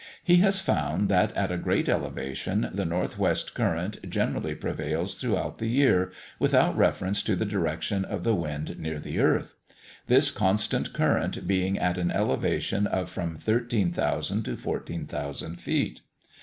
He has found that at a great elevation, the north west current generally prevails throughout the year, without reference to the direction of the wind near the earth; this constant current being at an elevation of from 13,000 to 14,000 feet.